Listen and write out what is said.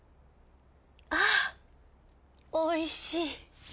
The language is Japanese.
あおいしい。